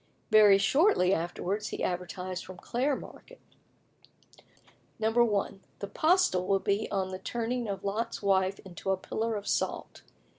Very shortly afterwards he advertised from Clare Market: 1. "The postil will be on the turning of Lot's wife into a pillar of salt.